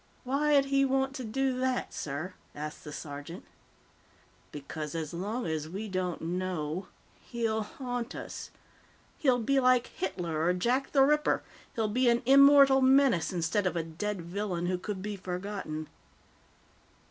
"Why'd he want to do that, sir?" asked the sergeant. "Because as long as we don't know, he'll haunt us. He'll be like Hitler or Jack the Ripper. He'll be an immortal menace instead of a dead villain who could be forgotten."